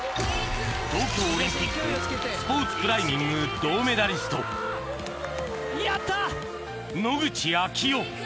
東京オリンピックスポーツクライミング銅メダリストやった！